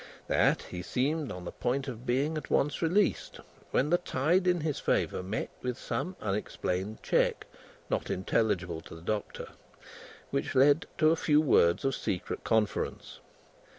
That, he seemed on the point of being at once released, when the tide in his favour met with some unexplained check (not intelligible to the Doctor), which led to a few words of secret conference.